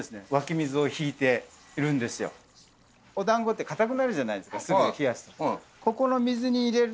お団子って固くなるじゃないですかすぐ冷やすと。